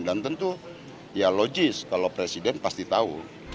dan tentu ya logis kalau presiden pasti tahu